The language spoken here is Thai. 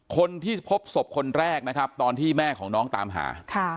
คนที่พบศพคนแรกนะครับตอนที่แม่ของน้องตามหา